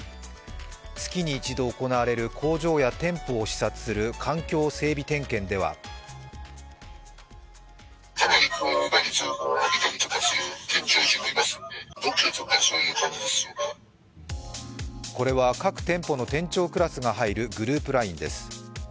月に１度行われる工場や店舗を視察する環境整備点検ではこれは各店舗の店長クラスが入るグループＬＩＮＥです。